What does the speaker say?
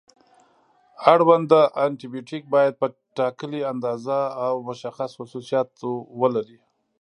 اړونده انټي بیوټیک باید په ټاکلې اندازه او مشخص خصوصیاتو ولري.